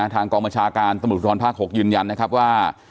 ทางกองมัชชาการตมติธรรมภาค๖ยืนยันนะครับว่า